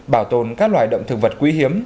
bảo tồn các loài động thực vật quý hiếm